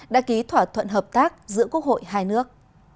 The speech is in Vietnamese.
đã ký thỏa thuận hợp tác giữa quốc hội hai nước